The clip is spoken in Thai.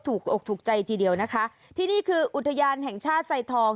อกถูกใจทีเดียวนะคะที่นี่คืออุทยานแห่งชาติไซทอง